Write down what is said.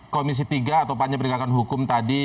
komisi tiga atau paknya perikatan hukum tadi